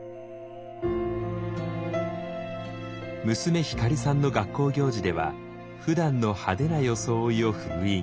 娘ひかりさんの学校行事ではふだんの派手な装いを封印。